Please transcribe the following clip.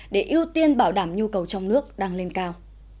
để ưu tiên bảo đảm nhu cầu trong nước đang lên cao